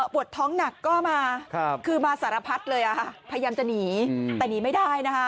ปวดท้องหนักก็มาคือมาสารพัดเลยพยายามจะหนีแต่หนีไม่ได้นะคะ